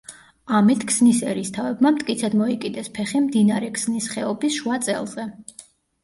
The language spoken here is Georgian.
ამით ქსნის ერისთავებმა მტკიცედ მოიკიდეს ფეხი მდინარე ქსნის ხეობის შუა წელზე.